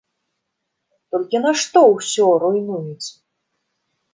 Толькі нашто ўсё руйнуюць.